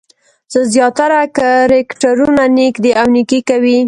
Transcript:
زیاتره کرکټرونه نېک دي او نېکي کوي.